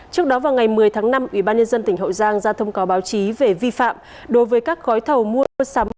trước đó vào ngày một mươi tháng năm ủy ban nhân dân tỉnh hậu giang ra thông cáo báo chí về vi phạm đối với các gói thầu mua sắm